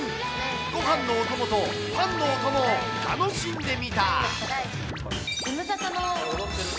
ごはんのお供とパンのお供を楽しんでみた！